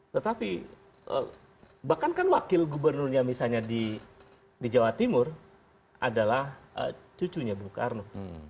tetapi bahkan kan wakil gubernurnya misalnya di jawa timur adalah cucunya bung karno